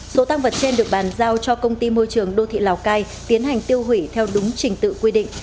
số tăng vật trên được bàn giao cho công ty môi trường đô thị lào cai tiến hành tiêu hủy theo đúng trình tự quy định